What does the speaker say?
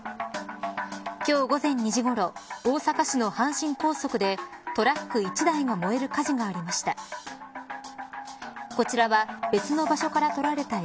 今日午前２時ごろ大阪市の阪神高速でトラック１台が燃える火事がありました。